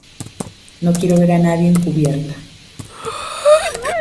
no quiero ver a nadie en cubierta.